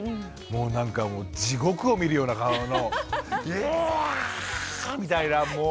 もうなんか地獄を見るような顔のイヤアアアアみたいなもう。